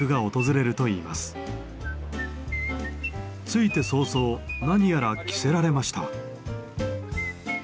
着いて早々何やら着せられました。